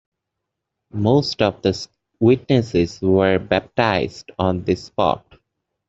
Most of the witnesses were baptised on the spot.